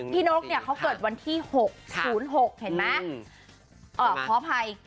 พี่นกเขาเกิดวันที่๐๖เห็นมั้ย